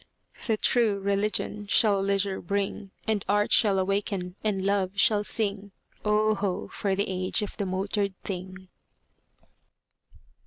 The True Religion shall leisure bring; And Art shall awaken and Love shall sing: Oh, ho! for the age of the motored thing!